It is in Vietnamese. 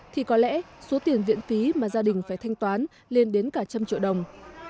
thì có lẽ số tiền viện phí mà gia đình phải thanh toán lên đến cả trăm triệu đồng